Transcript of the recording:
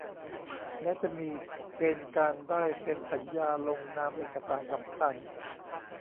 และจะมีเกณฑ์การได้เซ็นสัญญาลงนามเอกสารสำคัญ